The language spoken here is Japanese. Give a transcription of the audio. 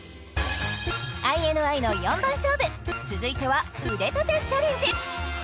ＩＮＩの４番勝負続いては腕立てチャレンジ